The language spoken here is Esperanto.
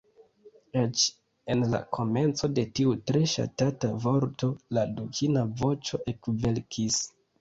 Eĉ en la komenco de tiu tre ŝatata vorto, la dukina voĉo ekvelkis.